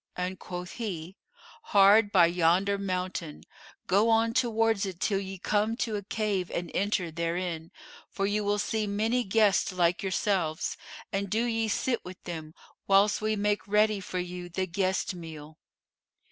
And quoth he, 'Hard by yonder mountain; go on towards it till ye come to a cave and enter therein, for you will see many guests like yourselves; and do ye sit with them, whilst we make ready for you the guest meal.